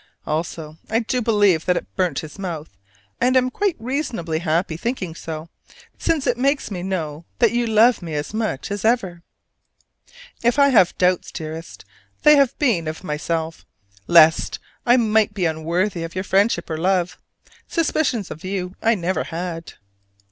Also, I do believe that it burnt his mouth, and am quite reasonably happy thinking so, since it makes me know that you love me as much as ever. If I have had doubts, dearest, they have been of myself, lest I might be unworthy of your friendship or love. Suspicions of you I never had.